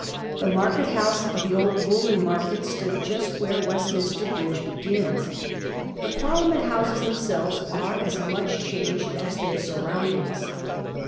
The market house of the old Woollen Market stood just where Westminster Bridge begins. The Parliament Houses themselves are as much changed as their surroundings.